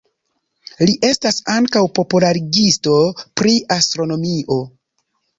Li estas ankaŭ popularigisto pri astronomio.